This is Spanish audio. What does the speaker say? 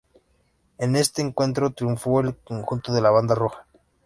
En este encuentro triunfó el conjunto de la Banda Roja.